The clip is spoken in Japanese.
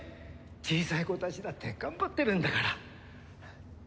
小さい子たちだって頑張ってるんだから。